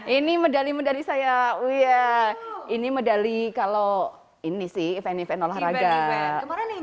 ini medali medali saya ini medali kalau ini sih event event olahraga juga